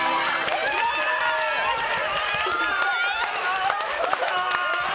やったー！